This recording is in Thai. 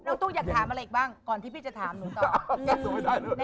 ตู้อยากถามอะไรอีกบ้างก่อนที่พี่จะถามหนูต่อย